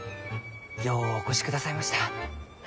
ようお越しくださいました。